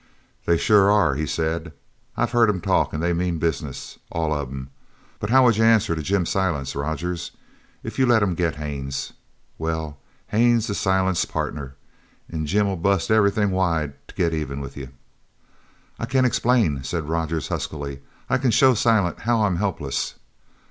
"They sure are," he said. "I've heard 'em talk, an' they mean business. All of 'em. But how'd you answer to Jim Silent, Rogers? If you let 'em get Haines well, Haines is Silent's partner an' Jim'll bust everything wide to get even with you." "I c'n explain," said Rogers huskily. "I c'n show Silent how I'm helpless."